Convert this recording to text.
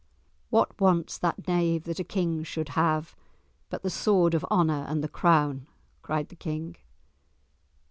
"What wants that knave that a King should have, but the sword of honour and the crown?" cried the King.